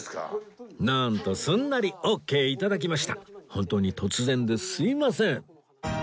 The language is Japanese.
ホントに突然ですいません